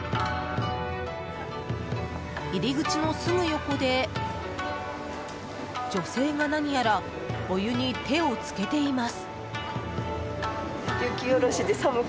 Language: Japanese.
入り口のすぐ横で、女性が何やらお湯に手を浸けています。